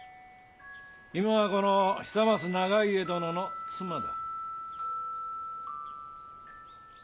今はこの久松長家殿の妻だ。